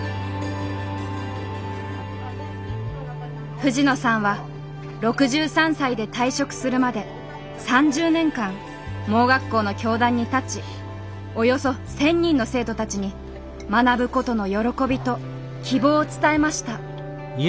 藤野さんは６３歳で退職するまで３０年間盲学校の教壇に立ちおよそ１，０００人の生徒たちに学ぶことの喜びと希望を伝えました。